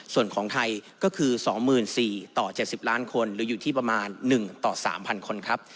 ส่วนของไทยก็คือ๒๔๐๐ต่อ๗๐ล้านคนหรืออยู่ที่ประมาณ๑ต่อ๓๐๐คนครับ